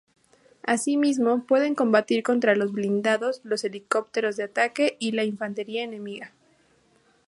Asimismo, pueden combatir contra los blindados, los helicópteros de ataque y la infantería enemiga.